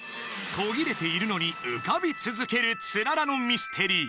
途切れているのに浮かび続けるつららのミステリー